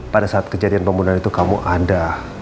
pada saat kejadian pembunuhan itu kamu ada